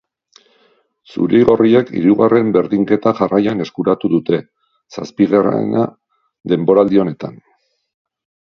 Zuri-gorriek hirugarren berdinketa jarraian eskuratu dute, zazpigarrena denboraldi honetan.